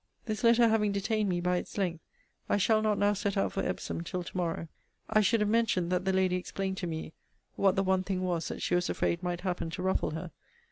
This letter having detained me by its length, I shall not now set out for Epsom till to morrow. I should have mentioned that the lady explained to me what the one thing was that she was afraid might happen to ruffle her.